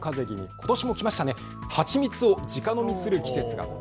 ことしも来ましたね、はちみつをじか飲みする季節が。